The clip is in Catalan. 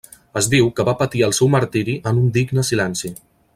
Es diu que va patir el seu martiri en un digne silenci.